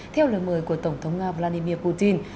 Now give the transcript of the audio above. theo lời mời của tổng thống nga vladimir putin